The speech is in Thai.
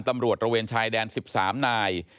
ตำรวจตระเวนชายแดน๑๓นาย